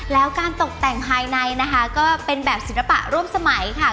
แล้วการตกแต่งภายในนะคะก็เป็นแบบศิลปะร่วมสมัยค่ะ